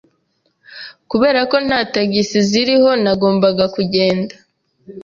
Kubera ko nta tagisi zariho, nagombaga kugenda.